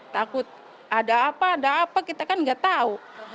takut ada apa ada apa kita kan nggak tahu